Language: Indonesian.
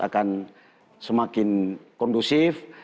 akan semakin kondusif